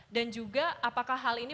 dan juga apakah hal ini